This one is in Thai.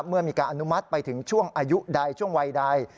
เมื่อมีการอนุมัติไปถึงช่วงอายุใดช่วงวัยใด